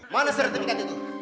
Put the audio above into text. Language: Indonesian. mana sertifikat itu